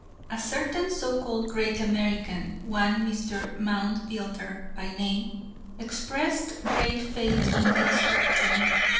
A certain so called great American, one Mr. Moundbuilder by name, expressed great faith in this doctrine.